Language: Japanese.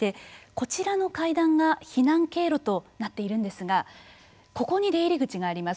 こちらの階段が避難経路となっているんですがここに出入り口があります。